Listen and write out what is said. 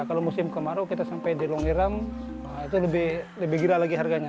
kalau musim kemaru kita sampai di longiram itu lebih gila lagi harganya